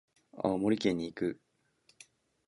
青森県に行く。